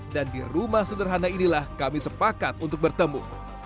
dan di rumah sederhana inilah kami sepakat untuk bertemu